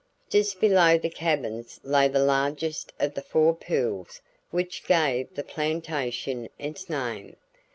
Just below the cabins lay the largest of the four pools which gave the plantation its name.